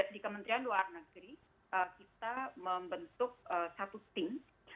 di kementerian luar negeri kita membentuk satu tim